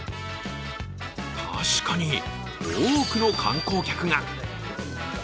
確かに、多くの観光客が！